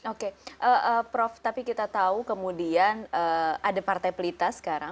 oke prof tapi kita tahu kemudian ada partai pelita sekarang